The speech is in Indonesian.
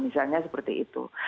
misalnya seperti itu